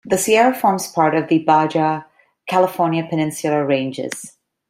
The Sierra forms part of the Baja California Peninsular Ranges.